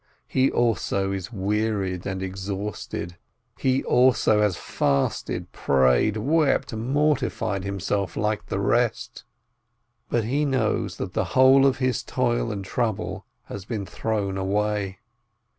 He also is wearied and exhausted. He also has fasted, prayed, wept, mortified himself, like the rest. But he knows that the whole of his toil and trouble has been thrown away.